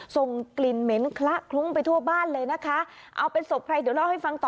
ส่งกลิ่นเหม็นคละคลุ้งไปทั่วบ้านเลยนะคะเอาเป็นศพใครเดี๋ยวเล่าให้ฟังต่อ